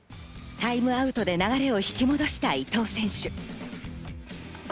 タイムアウトで流れを引き戻した伊藤選手。